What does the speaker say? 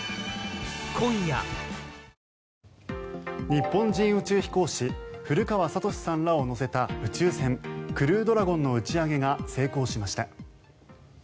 日本人宇宙飛行士古川聡さんらを乗せた宇宙船クルードラゴンの打ち上げが成功しました。